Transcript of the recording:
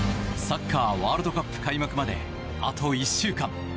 サッカーワールドカップ開幕まで、あと１週間。